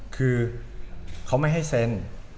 คือเขาไม่ให้เซ็น